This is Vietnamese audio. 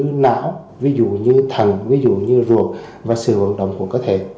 ví dụ như não ví dụ như thần ví dụ như ruột và sự hoạt động của cơ thể